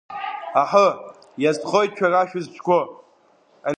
Аҳы, иазхоит шәара шәызҿқәо!